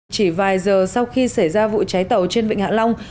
chỉ vài giờ sau khi xảy ra vụ cháy tàu trên vịnh hạ long